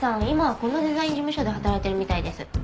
今はこのデザイン事務所で働いてるみたいです。